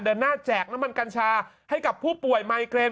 เดินหน้าแจกน้ำมันกัญชาให้กับผู้ป่วยไมเกรน